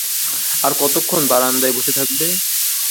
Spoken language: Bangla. আর কতক্ষণ বারান্দায় বসে থাকবে?